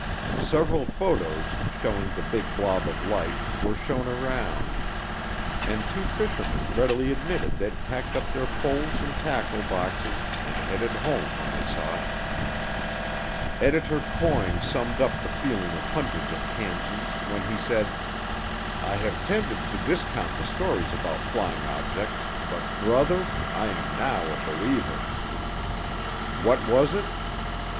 Several photos, showing the big blob of light, were shown around, and two fishermen readily admitted they'd packed up their poles and tackle boxes and headed home when they saw it. Editor Coyne summed up the feeling of hundreds of Kansans when he said: "I have tended to discount the stories about flying objects, but, brother, I am now a believer." What was it?